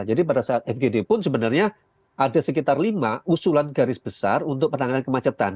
jadi pada saat fgd pun sebenarnya ada sekitar lima usulan garis besar untuk penanganan kemacetan